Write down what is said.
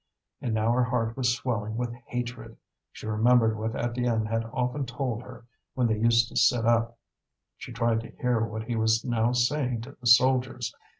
And now her heart was swelling with hatred; she remembered what Étienne had often told her when they used to sit up; she tried to hear what he was now saying to the soldiers.